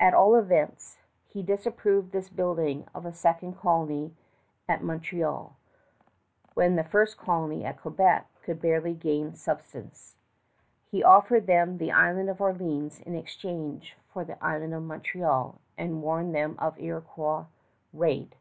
At all events, he disapproved this building of a second colony at Montreal, when the first colony at Quebec could barely gain subsistence. He offered them the Island of Orleans in exchange for the Island of Montreal, and warned them of Iroquois raid.